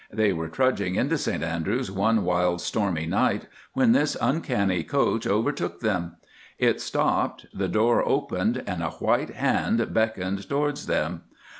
They were trudging into St Andrews one wild stormy night when this uncanny coach overtook them. It stopped; the door opened, and a white hand beckoned towards them.